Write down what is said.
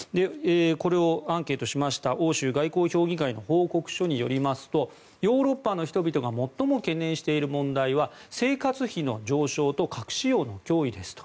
これをアンケートしました欧州外交評議会の報告書によりますとヨーロッパの人々が最も懸念している問題は生活費の上昇と核使用の脅威ですと。